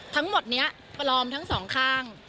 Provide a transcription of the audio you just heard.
ทั้งหมดนี้ปลอมทั้งสองข้าง